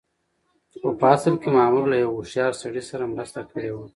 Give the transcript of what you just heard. خو په اصل کې مامور له يوه هوښيار سړي سره مرسته کړې وه.